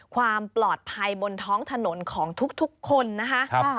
ความปลอดภัยบนท้องถนนของทุกคนนะคะ